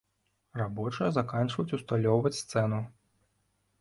Рабочыя заканчваюць ўсталёўваць сцэну.